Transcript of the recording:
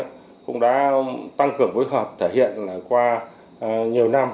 cũng đã tăng cường phối hợp thể hiện qua nhiều năm